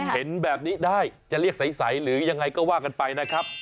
เห็นแบบนี้ได้จะเรียกใสหรือยังไงก็ว่ากันไปนะครับ